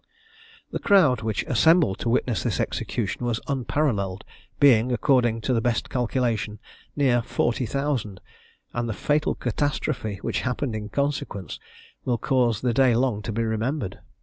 The crowd which assembled to witness this execution was unparalleled, being, according to the best calculation, near 40,000; and the fatal catastrophe, which happened in consequence, will cause the day long to be remembered.